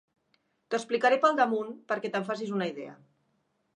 T'ho explicaré pel damunt perquè te'n facis una idea.